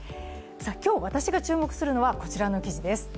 今日、私が注目するのはこちらの記事です。